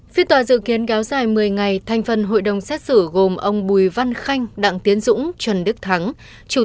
phiên tòa dự kiến kéo dài một mươi ngày